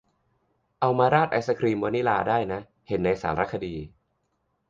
เอามาราดไอศกรีมวานิลาได้นะ เห็นในสารคดี